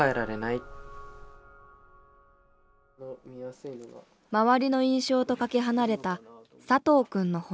例えば周りの印象とかけ離れた佐藤くんの本音。